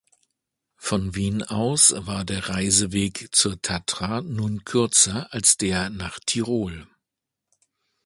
Von Wien aus war der Reiseweg zur Tatra nun kürzer als der nach Tirol.